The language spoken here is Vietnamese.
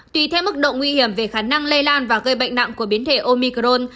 tùy theo mức độ nguy hiểm về khả năng lây lan và gây bệnh nặng của biến thể omicron